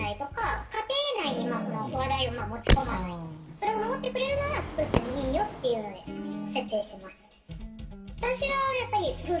それを守ってくれるならつくってもいいよっていうので設定してました。